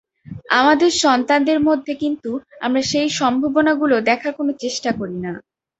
আমাদের সন্তানদের মধ্যে কিন্তু আমরা সেই সম্ভাবনাগুলো দেখার কোনো চেষ্টা করি না।